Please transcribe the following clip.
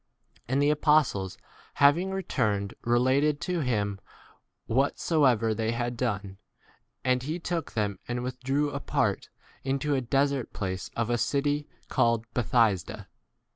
10 And the apostles having re turned related to him whatso ever they had done. And he took them and withdrew apart into a desert place of a city 11 called Bethsaida.